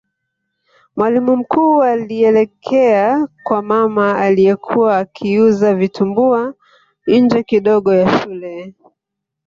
mwalimu mkuu alielekea kwa mama aliyekuwa akiuza vitumbua nje kidogo ya shule